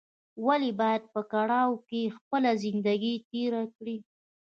ولې باید په کړاوو کې خپله زندګي تېره کړې